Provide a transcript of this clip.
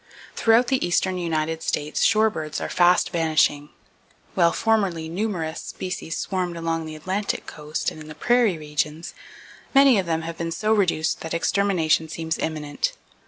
Throughout the eastern United States shorebirds are fast vanishing. While formerly numerous species swarmed along the Atlantic coast and in the prairie regions, many of them have been so reduced that extermination seems imminent.